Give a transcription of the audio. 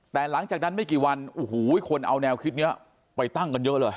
แต่หลังจากนั้นไม่กี่วันโอ้โหคนเอาแนวคิดนี้ไปตั้งกันเยอะเลย